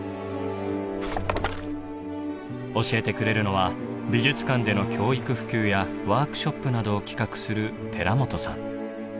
教えてくれるのは美術館での教育普及やワークショップなどを企画する寺元さん。